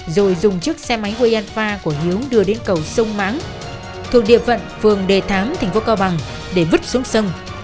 rồi dùng chiếc xe máy oianpa của hiếu đưa đến cầu sông mãng thuộc địa phận phường đề thám thành phố cao bằng để vứt xuống sông